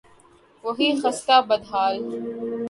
وہی خستہ، بد حال